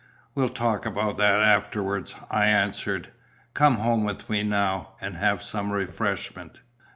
"We'll talk about that afterwards," I answered. "Come home with me now, and have some refreshment."